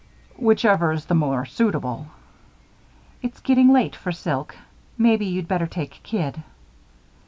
"Whichever is the more suitable." "It's getting late for silk. Maybe you'd better take kid."